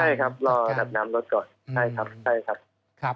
หรือครับรอรอสั่นลดก่อนครับครับ